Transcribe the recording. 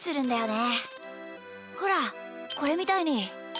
ほらこれみたいに。